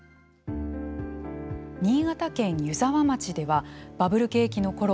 新潟県湯沢町ではバブル景気のころ